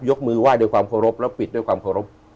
ยกมือไว้ด้วยความโฟรบแล้วปิดด้วยความโฟรบ